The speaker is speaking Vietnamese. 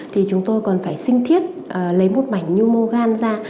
thì chúng tôi còn phải sinh thiết lấy một mảnh nhu mô gan ra